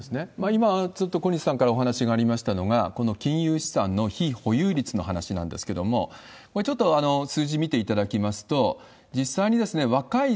今、ちょっと小西さんから話がありましたのが、この金融資産の非保有率の話なんですけれども、これちょっと数字見ていただきますと、実際に若い